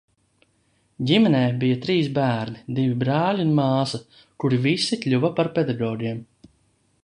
Ģimenē bija trīs bērni – divi brāļi un māsa, kuri visi kļuva par pedagogiem.